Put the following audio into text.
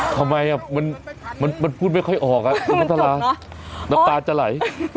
ทำไมอ่ะมันมันมันพูดไม่ค่อยออกอ่ะน้ำตาลาน้ำตาลจะไหล